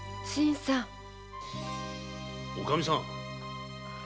おかみさん。